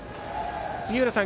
杉浦さん